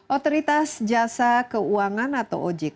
otoritas jasa keuangan atau ojk